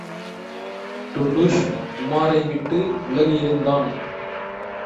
டுன்டுஷ் உமாரை விட்டு விலகியிருந்தான்.